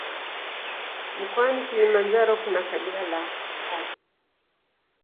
Mkoani Kilimanjaro kuna kabila la wachaga